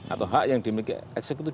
atau hak yang dimiliki eksekutif